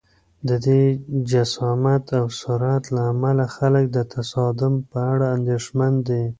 د دې جسامت او سرعت له امله خلک د تصادم په اړه اندېښمن دي.